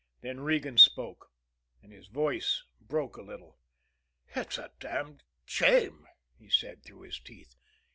Then Regan spoke and his voice broke a little. "It's a damned shame!" he said, through his teeth.